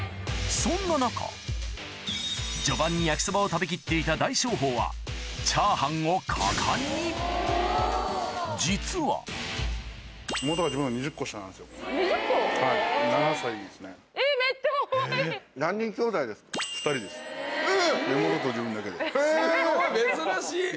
そんな中序盤に焼きそばを食べきっていた大翔鵬はチャーハンを果敢に実はすごい珍しい。